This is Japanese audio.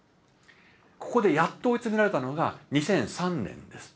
ここでやっと追い詰められたのが２００３年です。